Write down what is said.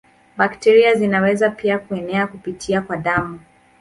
Bakteria zinaweza pia kuenea kupitia kwa damu.